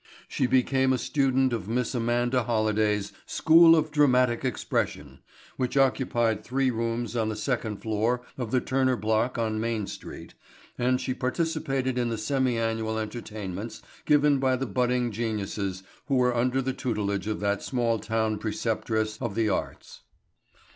She became a student of Miss Amanda Holliday's School of Dramatic Expression which occupied three rooms on the second floor of the Turner block on Main Street and she participated in the semi annual entertainments given by the budding geniuses who were under the tutelage of that small town preceptress of the arts.